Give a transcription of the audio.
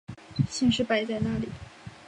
现实摆在哪里！